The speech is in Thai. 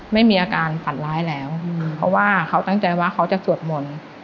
ไม่มีอาการฝันร้ายแล้วเพราะว่าเขาตั้งใจว่าเขาจะสวดมนต์